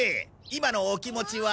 今のお気持ちは？